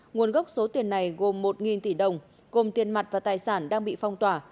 nguồn gốc số tiền này gồm một tỷ đồng gồm tiền mặt và tài sản đang bị phong tỏa